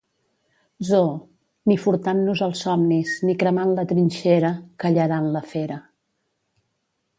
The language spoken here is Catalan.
zoo: "ni furtant-nos els somnis, ni cremant la trinxera... callaran la fera"